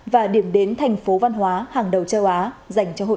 và điểm đến thành phố văn hóa hàng đầu châu á dành cho hội